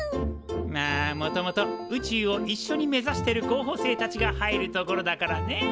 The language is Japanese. まあもともと宇宙を一緒に目指してる候補生たちが入るところだからね。